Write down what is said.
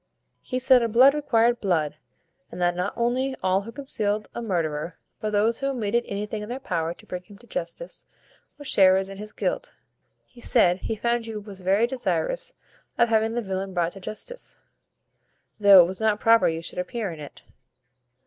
He said, blood required blood; and that not only all who concealed a murderer, but those who omitted anything in their power to bring him to justice, were sharers in his guilt. He said, he found you was very desirous of having the villain brought to justice, though it was not proper you should appear in it."